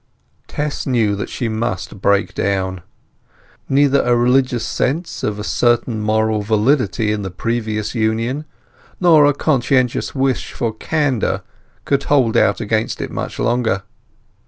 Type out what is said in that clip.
Tess knew that she must break down. Neither a religious sense of a certain moral validity in the previous union nor a conscientious wish for candour could hold out against it much longer.